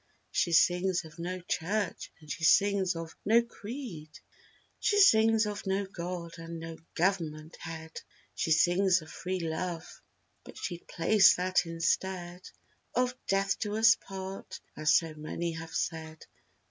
She sings of "No Church!" and she sings of "No Creed!" She sings of "No God!" and "No Government Head!" She sings of "Free Love!"—how she'd place that instead Of "Death do us part!" as so many have said.